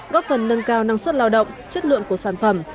góp phần nâng cao năng suất lao động chất lượng của sản phẩm